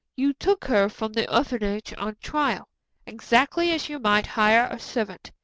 You took her from the orphanage on trial, exactly as you might hire a servant.